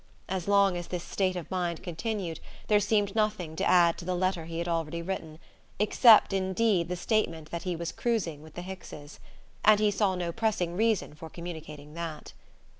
As long as this state of mind continued there seemed nothing to add to the letter he had already written, except indeed the statement that he was cruising with the Hickses. And he saw no pressing reason for communicating that.